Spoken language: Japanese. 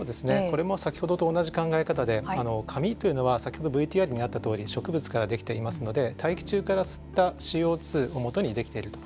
これも先ほどと同じ考え方で紙というのは先ほどＶＴＲにあったとおり植物から出来ていますので大気中から吸ったＣＯをもとに出来ていると。